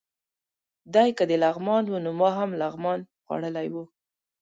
دی که د لغمان و، نو ما هم لغمان خوړلی و.